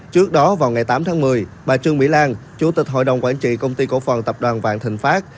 trước đó vào ngày tám tháng một mươi bà trương mỹ lan chủ tịch hội đồng quản trị công ty cổ phần tập đoàn vạn thịnh pháp